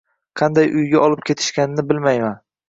Qanday uyga olib ketishganini bilmayman